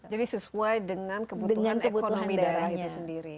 jadi sesuai dengan kebutuhan ekonomi daerah itu sendiri